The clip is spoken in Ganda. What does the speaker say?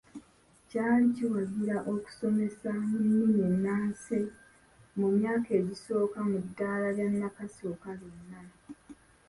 Kyali kiwagira okusomesa mu nnimi enaansi mu myaka egisooka ku ddaala lya nakasooka lyonna.